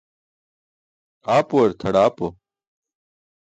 Aapuwar tʰaḍaapo.